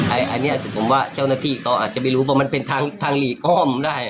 อันนี้ผมว่าเจ้าหน้าที่เขาอาจจะไม่รู้เพราะมันเป็นทางหลีกอ้อมได้